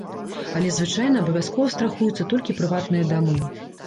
Але звычайна абавязкова страхуюцца толькі прыватныя дамы.